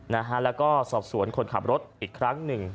นะฮะแล้วก็สอบสวนคนขับรถอีกครั้งหนึ่ง